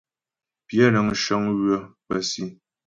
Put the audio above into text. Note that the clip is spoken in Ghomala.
Pyə nə́ shəŋ ywə pə́ si.